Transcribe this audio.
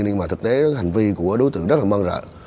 nhưng mà thực tế hành vi của đối tượng rất là mong rợ